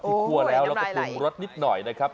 คั่วแล้วแล้วก็ปรุงรสนิดหน่อยนะครับ